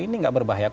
ini gak berbahaya